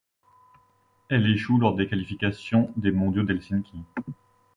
Elle échoue lors des qualifications des mondiaux d'Helsinki.